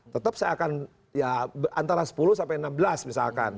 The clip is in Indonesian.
tetap saya akan ya antara sepuluh sampai enam belas misalkan